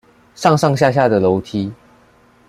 上上下下的樓梯